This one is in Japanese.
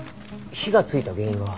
火がついた原因は。